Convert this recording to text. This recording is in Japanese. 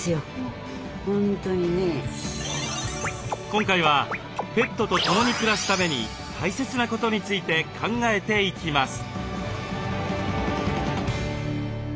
今回はペットと共に暮らすために大切なことについて考えていきます。